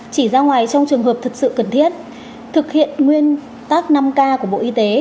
chỉ ra ngoài trong trường hợp thật sự cần thiết thực hiện nguyên tắc năm k của bộ y tế